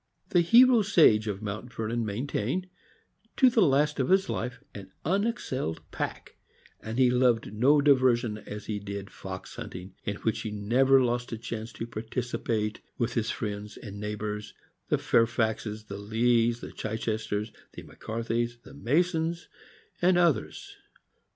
The hero sage of Mount Yernon maintained, to the last of his life, an unexcelled pack; and he loved no diversion as he did fox hunting, in which he never lost a chance to participate with his friends and neighbors, the Fairfaxes, the Lees, the Chichesters, the McCartys, the Masons, and others.